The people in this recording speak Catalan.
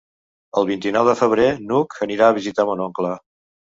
El vint-i-nou de febrer n'Hug anirà a visitar mon oncle.